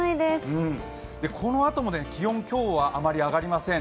このあとも東京は気温、今日はあまり上がりません。